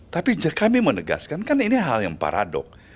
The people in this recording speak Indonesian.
tapi kami menegaskan kan ini hal yang paradok